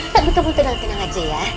tapi kamu tenang tenang aja ya